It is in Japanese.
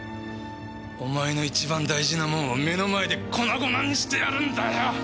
お前の一番大事なもんを目の前で粉々にしてやるんだよ！